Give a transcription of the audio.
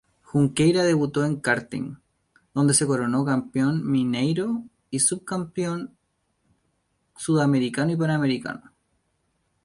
Junqueira debutó en karting, donde se coronó campeón mineiro y subcampeón sudamericano y panamericano.